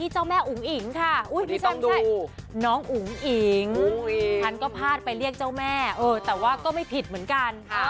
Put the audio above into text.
ฉันก็พลาดไปเรียกเจ้าแม่แต่ว่าก็ไม่ผิดเหมือนกัน